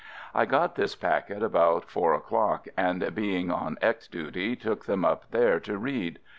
I got this packet about four o'clock and being on X —— duty took them up there to read.